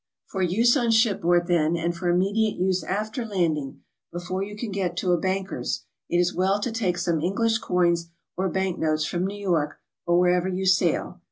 For use on ship board, then, and for immediate use after landing, before you can get to a banker's, it is well to take some Eng'lish coins or bank notes from New York or where ever you sail.